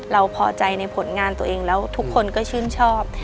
พอใจในผลงานตัวเองแล้วทุกคนก็ชื่นชอบ